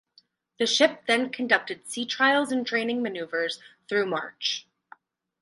The ship then conducted sea trials and training maneuvers through March.